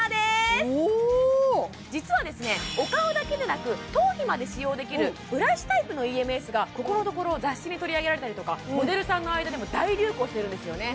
お顔だけでなく頭皮まで使用できるブラシタイプのＥＭＳがここのところ雑誌に取り上げられたりとかモデルさんの間でも大流行してるんですよね